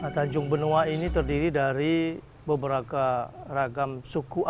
tanjung benoa ini terdiri dari beberapa ragam suku